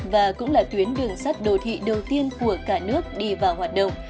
và cũng là tuyến đường sắt đô thị đầu tiên của cả nước đi vào hoạt động